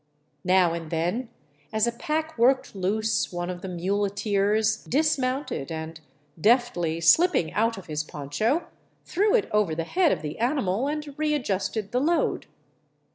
Now and then, as a pack worked loose, one of the muleteers dismounted and, deftly slipping out of his poncho, threw it over the head of the animal and readjusted the load.